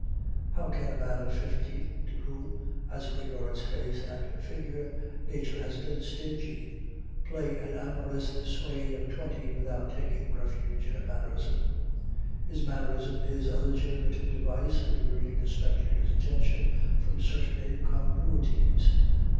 How can a man of fifty, to whom, as regards face and figure, Nature has been stingy, play an amorous swain of twenty without taking refuge in a mannerism? His mannerism is a legitimate device for diverting the spectator's attention from certain incongruities.